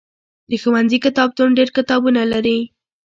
د ښوونځي کتابتون ډېر کتابونه لري.